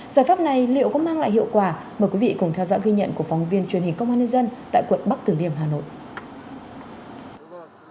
giải pháp này liệu có mang lại hiệu quả mời quý vị cùng theo dõi ghi nhận của phóng viên truyền hình công an nhân dân tại quận bắc tử liêm hà nội